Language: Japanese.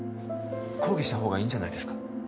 抗議したほうがいいんじゃないですか？